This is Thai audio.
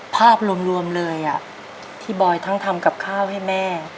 ภาพรวมเลยที่บอยทั้งทำกับข้าวให้แม่